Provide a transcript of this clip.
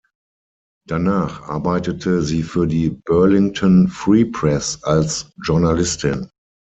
Danach arbeitete sie für die „Burlington Free Press“ als Journalistin.